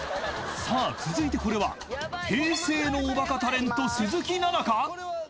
［さあ続いてこれは平成のおバカタレント鈴木奈々か⁉］